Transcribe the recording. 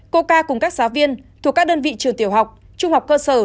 coca cùng các giáo viên thuộc các đơn vị trường tiểu học trung học cơ sở